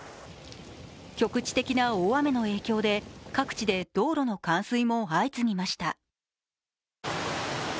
局地的な大雨の影響で各地で道路の冠水も相次ぎました。